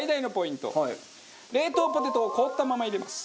冷凍ポテトを凍ったまま入れます。